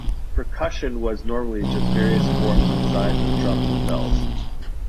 Percussion was normally just various forms and sizes of drums and bells.